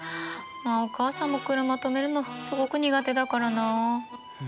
まあお母さんも車止めるのすごく苦手だからなあ。